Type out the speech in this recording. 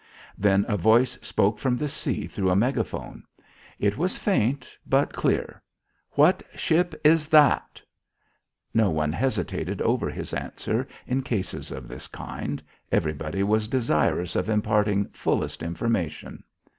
Then a voice spoke from the sea through a megaphone. It was faint but clear. "What ship is that?" No one hesitated over his answer in cases of this kind. Everybody was desirous of imparting fullest information.